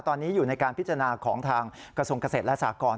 ตอนนี้อยู่ในการพิจารณาของทางกระทรวงเกษตรและสากร